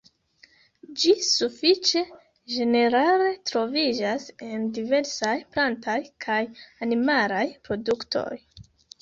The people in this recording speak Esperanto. Ĝi sufiĉe ĝenerale troviĝas en diversaj plantaj kaj animalaj produktoj.